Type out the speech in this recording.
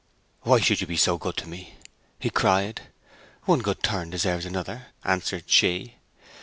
'Why should you be so good to me?' he cried. 'One good turn deserves another,' answered she.